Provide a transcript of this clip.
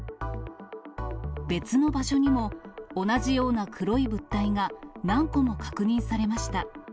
別の場所にも、同じような黒い物体が何個も確認されました。